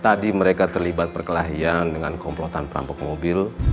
tadi mereka terlibat perkelahian dengan komplotan perampok mobil